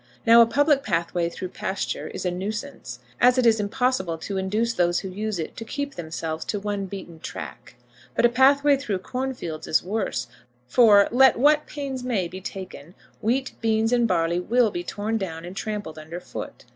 Now a public pathway through pasture is a nuisance, as it is impossible to induce those who use it to keep themselves to one beaten track; but a pathway through cornfields is worse, for, let what pains may be taken, wheat, beans, and barley will be torn down and trampled under foot.